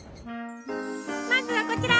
まずはこちら！